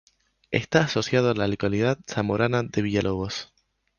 Está asociado a la localidad zamorana de Villalobos.